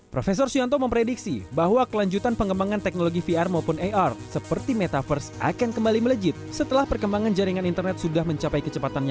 profesor suwanto memprediksi bahwa kelanjutan pengembangan teknologi vr maupun ar seperti metaverse akan kembali melejit setelah perkembangan jaringan internet sudah mencapai kecepatannya